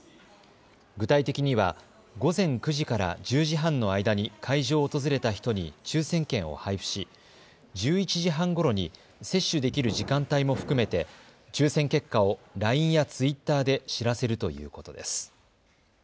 具体的には午前９時から１０時半の間に会場を訪れた人に抽せん券を配布し、１１時半ごろに接種できる時間帯も含めて抽せん結果をＬＩＮＥやツイッターで知らせるということです。